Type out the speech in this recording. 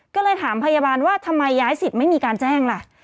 ก็เลยถามพยาบาลว่าทำไมย้ายสิทธิ์ไม่มีการแจ้งล่ะ